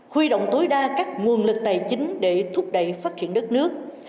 huy động tối đa các nguồn lực tài chính để thúc đẩy phát triển đất nước